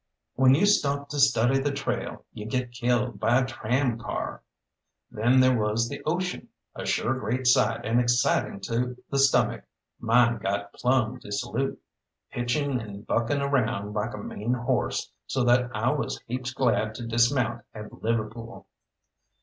When you stop to study the trail you get killed by a tramcar. Then there was the ocean, a sure great sight and exciting to the stomach mine got plumb dissolute, pitching and bucking around like a mean horse, so that I was heaps glad to dismount at Liverpool.